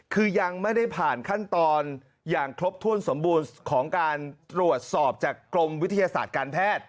คือยังไม่ได้ผ่านขั้นตอนอย่างครบถ้วนสมบูรณ์ของการตรวจสอบจากกรมวิทยาศาสตร์การแพทย์